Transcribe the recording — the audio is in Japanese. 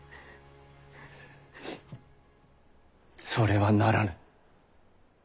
それはならぬ。